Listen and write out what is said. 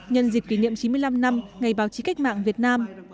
nhân dịp kỷ niệm chín mươi năm năm ngày báo chí cách mạng việt nam